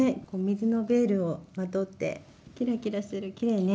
水のベールをまとってキラキラしてるきれいね。